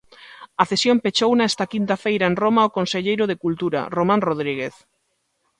A cesión pechouna esta quinta feira en Roma o conselleiro de Cultura, Román Rodríguez.